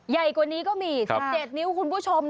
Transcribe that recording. ใหญ่กว่านี้ก็มี๑๗นิ้วคุณผู้ชม